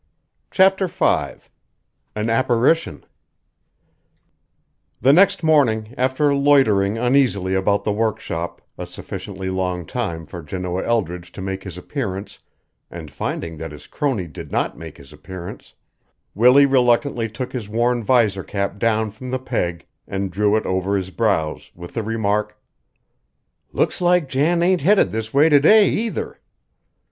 CHAPTER V AN APPARITION The next morning, after loitering uneasily about the workshop a sufficiently long time for Janoah Eldridge to make his appearance and finding that his crony did not make his appearance, Willie reluctantly took his worn visor cap down from the peg and drew it over his brows, with the remark: "Looks like Jan ain't headed this way to day, either."